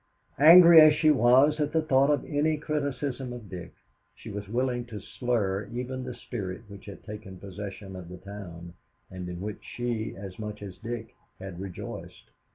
Angry as she was at the thought of any criticism of Dick, she was willing to slur even the spirit which had taken possession of the town and in which she as much as Dick had rejoiced.